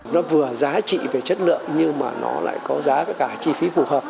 nó vừa giá trị về chất lượng nhưng mà nó lại có giá cả chi phí phù hợp